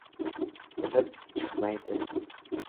Bilib chiqmaydi